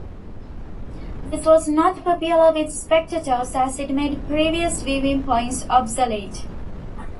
This was not popular with spectators as it made previous viewing points obsolete.